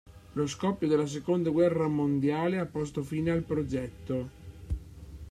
Lo scoppio della Seconda Guerra Mondiale ha posto fine al progetto.